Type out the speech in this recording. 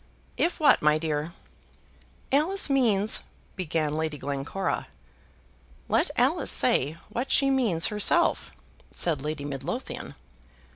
"If what, my dear?" "Alice means " began Lady Glencora. "Let Alice say what she means herself," said Lady Midlothian.